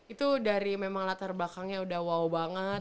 itu dari memang latar belakangnya udah wow banget